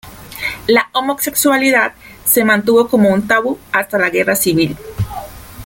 La homosexualidad se mantuvo como un tabú hasta la Guerra Civil.